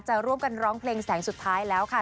ร่วมกันร้องเพลงแสงสุดท้ายแล้วค่ะ